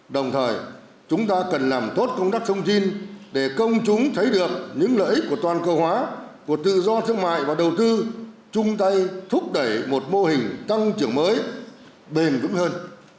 đồng thời chúng ta cần làm tốt công tác thông tin để công chúng thấy được những lợi ích của toàn cầu hóa của tự do thương mại và đầu tư chung tay thúc đẩy một mô hình tăng trưởng mới bền vững hơn